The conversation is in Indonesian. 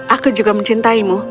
aku juga mencintaimu